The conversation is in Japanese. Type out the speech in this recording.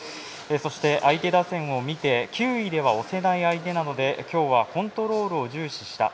そして、相手打線を見て球威では押せない相手なので今日はコントロールを重視した。